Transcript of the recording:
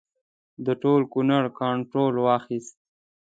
د ټول کنړ کنټرول واخیست.